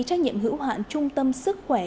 trách nhiệm hữu hạn trung tâm sức khỏe